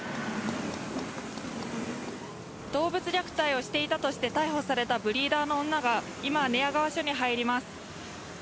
動物虐待をしていたとして逮捕されたブリーダーの女が今、寝屋川署に入ります。